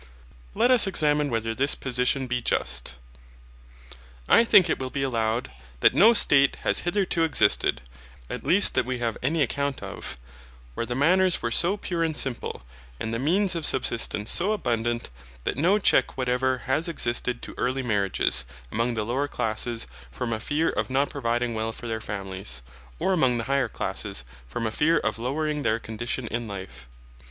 Let us examine whether this position be just. I think it will be allowed, that no state has hitherto existed (at least that we have any account of) where the manners were so pure and simple, and the means of subsistence so abundant, that no check whatever has existed to early marriages, among the lower classes, from a fear of not providing well for their families, or among the higher classes, from a fear of lowering their condition in life.